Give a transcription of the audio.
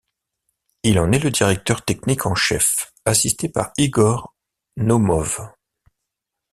Il en est le directeur technique en chef, assisté par Igor Naumov.